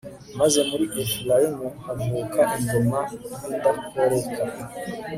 maze muri efurayimu havuka ingoma y'indakoreka